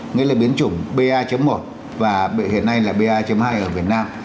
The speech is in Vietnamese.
nghĩa là biến chủng ba một và hiện nay là ba hai ở việt nam